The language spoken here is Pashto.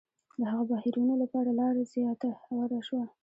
د هغو بهیرونو لپاره لاره زیاته هواره شوه.